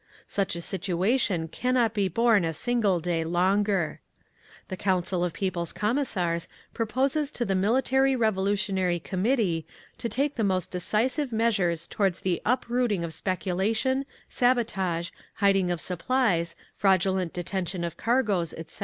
Such a situation cannot be borne a single day longer. The Council of People's Commissars proposes to the Military Revolutionary Committee to take the most decisive measures towards the uprooting of speculation, sabotage, hiding of supplies, fraudulent detention of cargoes, etc.